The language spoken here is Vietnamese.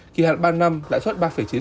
kỳ hạn ba năm lãi suất ba chín